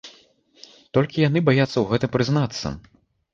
Толькі яны баяцца ў гэтым прызнацца.